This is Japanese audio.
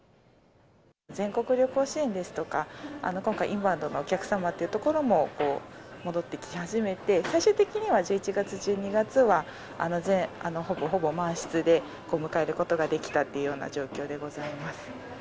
全国旅行支援ですとか、今回、インバウンドのお客様というところも戻ってき始めて、最終的には１１月、１２月は、ほぼほぼ満室で迎えることができたっていう状